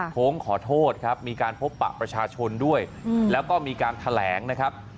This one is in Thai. โค้งขอโทษครับมีการพบปะประชาชนด้วยแล้วก็มีการแถลงนะครับ